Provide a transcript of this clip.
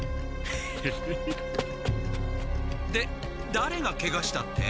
だれがケガしたって？